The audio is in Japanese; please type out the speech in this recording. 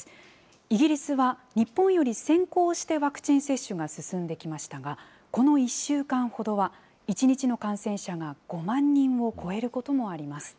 イギリスは日本より先行してワクチン接種が進んできましたが、この１週間ほどは、１日の感染者が５万人を超えることもあります。